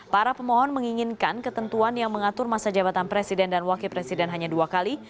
para pemohon menginginkan ketentuan yang mengatur masa jabatan presiden dan wakil presiden hanya dua kali